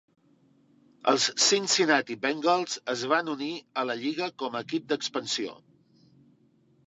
Els Cincinnati Bengals es van unir a la lliga com a equip d'expansió.